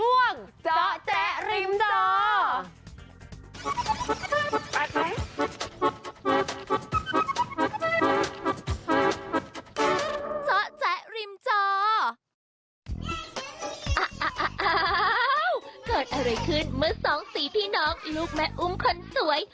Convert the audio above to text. เกิดอะไรขึ้นเมื่อสองสีพี่น้องลูกแม่อุ้มคนสวย